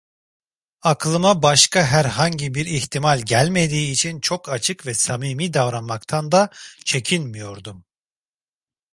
Aklıma başka herhangi bir ihtimal gelmediği için çok açık ve samimi davranmaktan da çekinmiyordum.